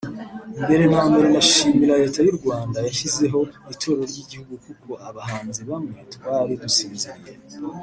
Mbere na mbere ndashimira Leta y’u Rwanda yashyizeho itorero ry’igihugu kuko abahanzi bamwe twari dusinziriye